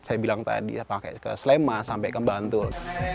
saya bilang tadi sampai ke slema sampai ke bantul